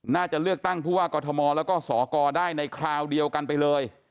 น่าจะเลือกตั้งผู้ว่ากอทมแล้วก็สกได้ในคราวเดียวกันไปเลย